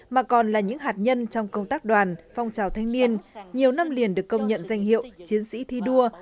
mà còn là những hạt nhân trong công tác đoàn phong trào thanh niên nhiều năm liền được công nhận danh hiệu chiến sĩ thi đua